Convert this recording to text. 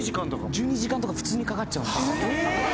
１２時間とか普通にかかっちゃうんですはい。